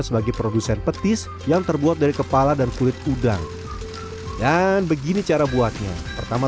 sebagai produsen petis yang terbuat dari kepala dan kulit udang dan begini cara buatnya pertama